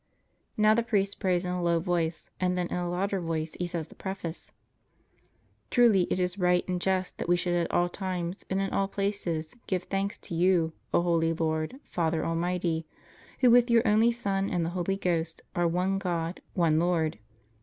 Now the priest prays in a low voice and then in a louder voice he says the Preface: Truly, it is right and just that we should at all times and in all places give thanks to You, O holy Lord, Father almighty, Who, with Your only Son and the Holy Ghost are one God, one Lord.